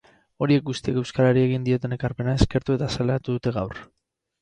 Horiek guztiek euskarari egin dioten ekarpena eskertu eta azaleratu dute gaur.